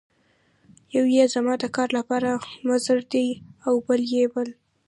یو یې زما د کار لپاره مضر دی او هغه بل یې.